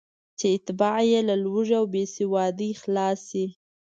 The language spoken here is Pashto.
چې اتباع یې له لوږې او بېسوادۍ خلاص شي.